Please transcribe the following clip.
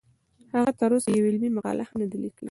هغه تر اوسه یوه علمي مقاله هم نه ده لیکلې